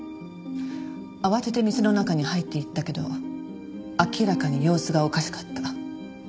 慌てて店の中に入っていったけど明らかに様子がおかしかった。